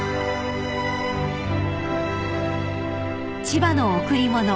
［『千葉の贈り物』］